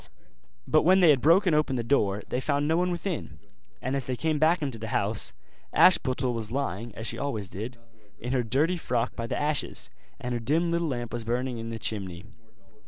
But when they had broken open the door they found no one within; and as they came back into the house, Ashputtel was lying, as she always did, in her dirty frock by the ashes, and her dim little lamp was burning in the chimney.